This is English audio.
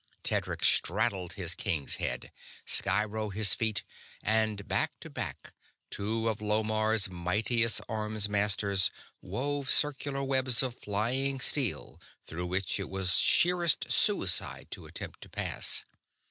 Tedric straddled his king's head, Sciro his feet; and, back to back, two of Lomarr's mightiest armsmasters wove circular webs of flying steel through which it was sheerest suicide to attempt to pass.